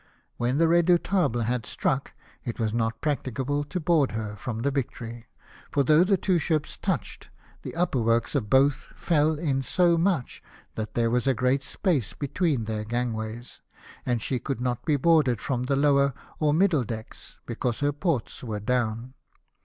When the Redoubtable had struck it was not practicable to board her from the Victory; for, though the two ships touched, the upper works of both fell in so much that there was a great space between their gangways ; and she could not be boarded from the lower or middle decks, because her ports were down.